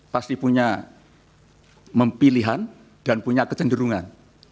pasti punya pilihan dan punya kecenderungan